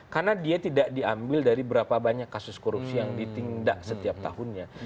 karena dia tidak diambil dari berapa banyak kasus korupsi yang ditinggak setiap tahunnya